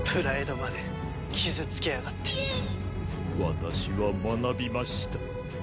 私は学びました。